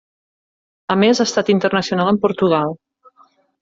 A més ha estat internacional amb Portugal.